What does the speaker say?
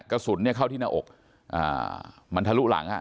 กระสุนเข้าที่หน้าอกมันทะลุหลังฮะ